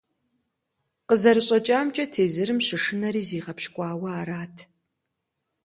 КъызэрыщӀэкӀамкӀэ, тезырым щышынэри зигъэпщкӀуауэ арат.